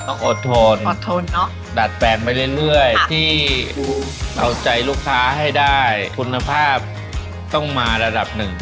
อดทนอดทนเนอะดัดแปลงไปเรื่อยที่เอาใจลูกค้าให้ได้คุณภาพต้องมาระดับหนึ่ง